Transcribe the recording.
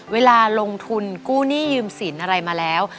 เวลาลงทุนกู้หนี้ยืมสินอะไรมาแล้ว